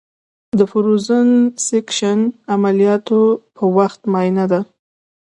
د فروزن سیکشن عملیاتو په وخت معاینه ده.